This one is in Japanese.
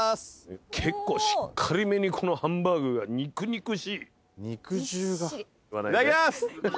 結構しっかりめにこのハンバーグが肉々しい。